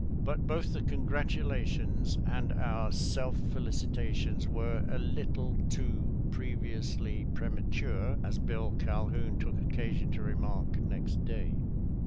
But both the congratulations and our self felicitations were " a little too previously pre mature," as Bill Calhoun took occasion to remark next day.